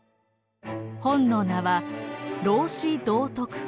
本の名は「老子道徳経」。